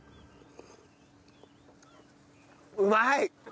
うまい！